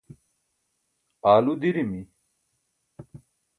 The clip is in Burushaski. aalu dirimi